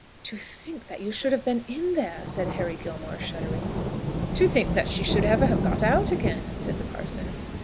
"To think that you should have been in there!" said Harry Gilmore, shuddering. "To think that she should ever have got out again!" said the parson.